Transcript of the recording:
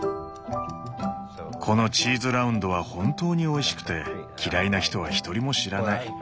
このチーズラウンドは本当においしくて嫌いな人は一人も知らない。